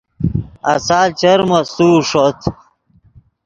آسال چر مستوؤ ݰوت